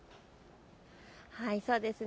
そうですね。